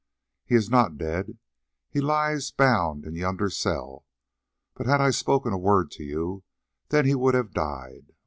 He is not dead, he lies bound in yonder cell, but had I spoken a word to you, then he would have died.